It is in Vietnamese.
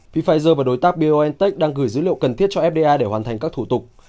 pfizer và đối tác biontech đang gửi dữ liệu cần thiết cho fda để hoàn thành các thủ tục